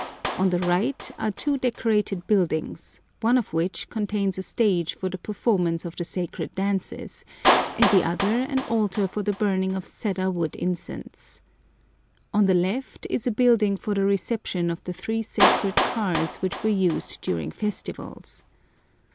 On the right are two decorated buildings, one of which contains a stage for the performance of the sacred dances, and the other an altar for the burning of cedar wood incense. On the left is a building for the reception of the three sacred cars which were used during festivals.